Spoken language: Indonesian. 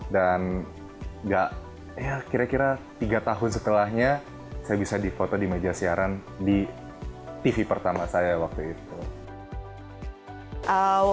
dan kira kira tiga tahun setelahnya saya bisa difoto di meja siaran di tv pertama saya waktu itu